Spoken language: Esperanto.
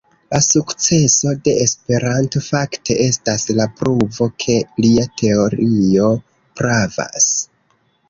La sukceso de Esperanto fakte estas la pruvo, ke lia teorio pravas.